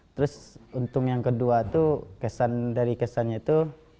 terus untung yang kedua kesannya itu